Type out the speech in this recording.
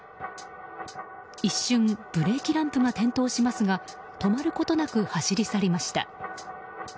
一瞬、ブレーキランプが点灯しますが止まることなく走り去りました。